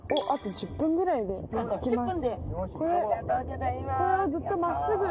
あと１０分くらいで着きます。